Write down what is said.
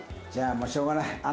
じゃあもうしょうがない。